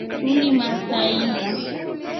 Tulimaa saa ilinga.